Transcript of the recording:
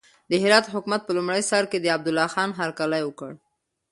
د هرات حکومت په لومړي سر کې د عبدالله خان هرکلی وکړ.